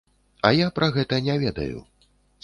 А я пра гэта не ведаю.